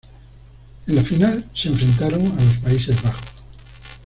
En la final se enfrentaron a los Países Bajos.